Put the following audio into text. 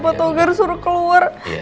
otogar suruh keluar